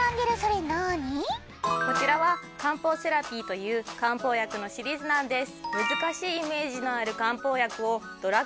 こちらは。という漢方薬のシリーズなんです。